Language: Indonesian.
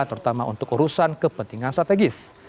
terutama untuk urusan kepentingan strategis